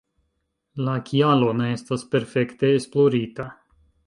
La kialo ne estas perfekte esplorita.